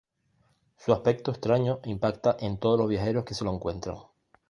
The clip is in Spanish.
Su aspecto extraño impacta en todos los viajeros que se lo encuentran.